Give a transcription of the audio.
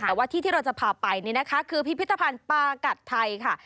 แต่ว่าที่ที่เราจะพาไปนี่นะคะคือพิพิธภัณฑ์ปลากัดไทยค่ะ